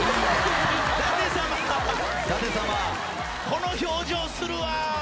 この表情するわ。